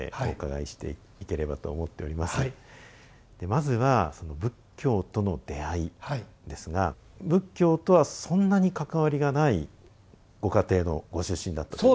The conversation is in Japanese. まずはその「仏教との出会い」ですが仏教とはそんなに関わりがないご家庭のご出身だったという。